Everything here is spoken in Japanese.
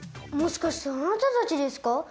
もしかしてあなたたちですか？